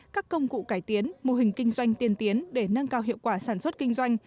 các công cụ cải tiến mô hình kinh doanh tiên tiến để nâng cao hiệu quả sản xuất kinh doanh